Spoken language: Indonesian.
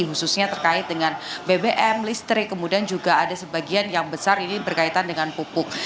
khususnya terkait dengan bbm listrik kemudian juga ada sebagian yang besar ini berkaitan dengan pupuk